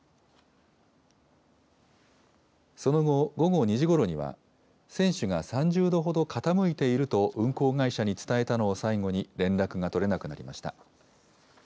その後、午後２時ごろには、船首が３０度ほど傾いていると運航会社に伝えたのを最後に、連絡が取れなくなりました。